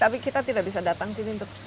tapi kita tidak bisa datang sini untuk